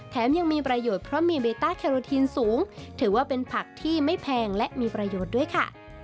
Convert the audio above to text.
ยังมีประโยชน์เพราะมีเบต้าแคโรทีนสูงถือว่าเป็นผักที่ไม่แพงและมีประโยชน์ด้วยค่ะ